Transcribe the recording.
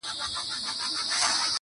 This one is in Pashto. په توره شپه به په لاسونو کي ډېوې و باسو,